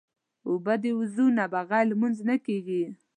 اوبه د وضو نه بغیر لمونځ نه کېږي.